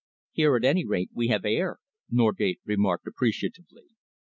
"Here, at any rate, we have air," Norgate remarked appreciatively.